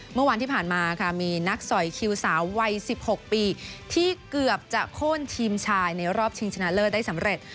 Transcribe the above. เมื่อวานที่ผ่านมาค่ะมีนักสอยคิวสาววัย๑๖ปีที่เกือบจะโค้นทีมชายในรอบชิงชนะเลิศได้สำเร็จ